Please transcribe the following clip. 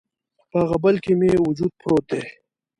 په هغه بل کي مې وجود پروت دی